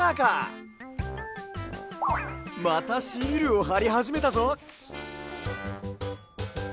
またシールをはりはじめたぞ。